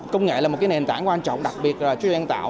công nghệ là một nền tảng quan trọng đặc biệt là chú ý doanh tạo